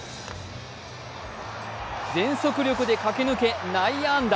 全速力で駆け抜け、内野安打。